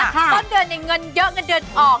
ต้นเดือนเงินเยอะเงินเดือนออก